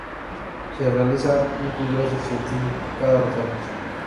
Se realiza un congreso científico cada dos años.